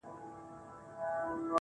نن داخبره درلېږمه تاته.